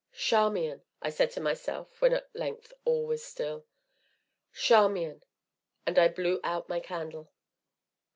"Charmian!" said I to myself when at length all was still, "Charmian!" And I blew out my candle.